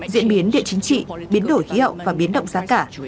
diễn biến địa chính trị biến đổi khí hậu và biến động giá cả